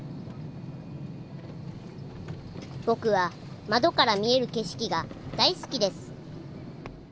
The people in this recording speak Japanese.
僕は窓から見える景色が大好きです